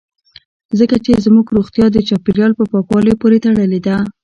ځکه چې زموږ روغتیا د چاپیریال په پاکوالي پورې تړلې ده